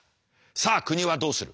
さあ国はどうする。